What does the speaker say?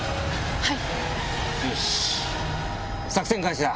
はい！